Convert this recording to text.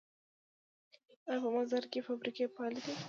آیا په مزار کې فابریکې فعالې دي؟